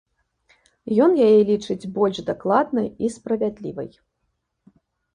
Ён яе лічыць больш дакладнай і справядлівай.